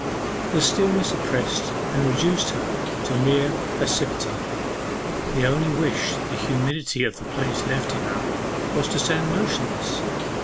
The stillness oppressed and reduced her to mere passivity. The only wish the humidity of the place left in her was to stand motionless.